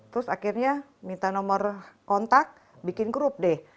terus akhirnya minta nomor kontak bikin grup deh